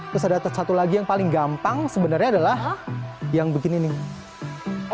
terus ada satu lagi yang paling gampang sebenarnya adalah yang begini nih